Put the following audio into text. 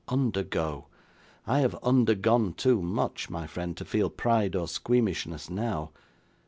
Undergo! I have undergone too much, my friend, to feel pride or squeamishness now.